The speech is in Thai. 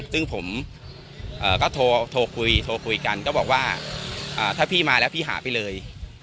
ซึ่งผมก็โทรคุยโทรคุยกันก็บอกว่าถ้าพี่มาแล้วพี่หาไปเลย